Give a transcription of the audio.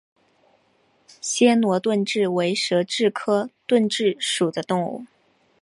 暹罗盾蛭为舌蛭科盾蛭属的动物。